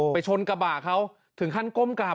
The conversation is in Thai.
ชนกระบะเขาถึงขั้นก้มกราบ